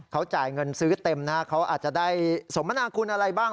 เขาจ่ายเงินซื้อเต็มนะเขาอาจจะได้สมนาคุณอะไรบ้าง